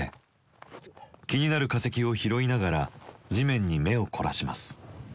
気になる化石を拾いながら地面に目を凝らします。